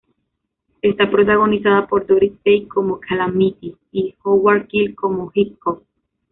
Está protagonizada por Doris Day, como "Calamity", y Howard Keel como "Hickok".